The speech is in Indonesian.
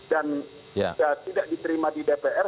tidak diterima di dpr